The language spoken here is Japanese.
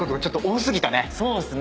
そうですね。